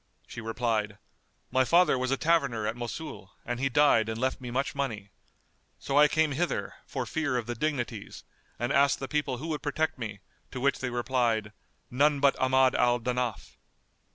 She replied, "My father was a taverner at Mosul and he died and left me much money. So I came hither, for fear of the Dignities, and asked the people who would protect me, to which they replied, 'None but Ahmad al Danaf.